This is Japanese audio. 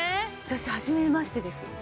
私はじめましてです